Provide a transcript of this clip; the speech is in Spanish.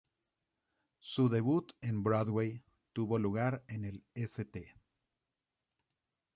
Su debut en Broadway tuvo lugar en el St.